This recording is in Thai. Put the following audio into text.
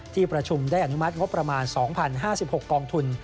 ที่ประชุมได้อนุมัติงบประมาณ๒๐๕๖กองทุน